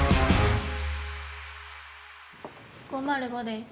５０５です。